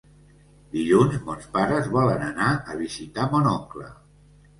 Dilluns mons pares volen anar a visitar mon oncle.